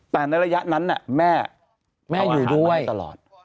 แต่ในระยะนั้นแม่เอาอาหารมาให้ตลอด